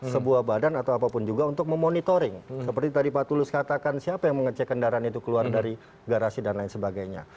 sebuah badan atau apapun juga untuk memonitoring seperti tadi pak tulus katakan siapa yang mengecek kendaraan itu keluar dari garasi dan lain sebagainya